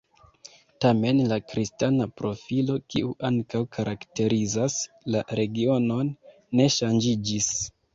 Tamen, la kristana profilo, kiu ankaŭ karakterizas la regionon, ne ŝanĝiĝis.